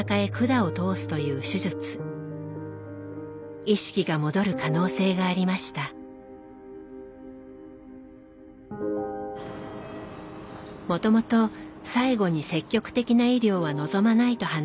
もともと最期に積極的な医療は望まないと話していた剛さん。